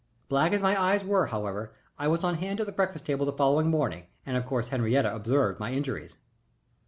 Black as my eyes were, however, I was on hand at the breakfast table the following morning, and of course Henriette observed my injuries.